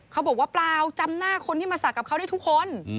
เขาบอกว่าเปล่าจำหน้าคนที่มาศักดิ์กับเขาได้ทุกคน